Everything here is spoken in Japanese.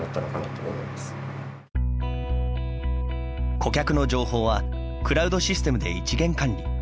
顧客の情報はクラウドシステムで一元管理。